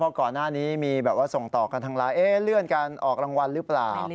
เพราะก่อนหน้านี้มีส่งต่อกันทั้งรายเลื่อนการออกรางวัลหรือเปล่า